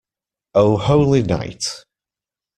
O holy night.